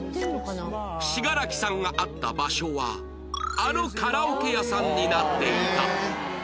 信楽さんがあった場所はあのカラオケ屋さんになっていた